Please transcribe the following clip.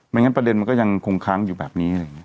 ไม่งั้นประเด็นก็ยังคงค้างอยู่แบบนี้